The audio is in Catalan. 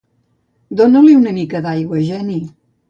Dóna-li una mica d'aigua, Jenny.